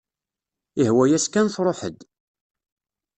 Ihwa-yas kan truḥ-d.